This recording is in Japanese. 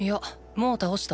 もう倒した。